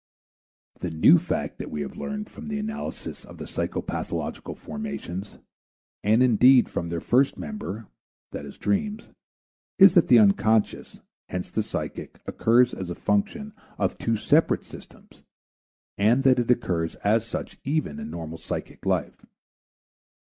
The new fact that we have learned from the analysis of the psychopathological formations, and indeed from their first member, viz. dreams, is that the unconscious hence the psychic occurs as a function of two separate systems and that it occurs as such even in normal psychic life.